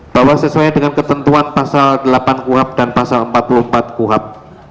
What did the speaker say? bahwa sesuai dengan ketentuan pasal delapan kuhap dan pasal empat puluh empat kuhap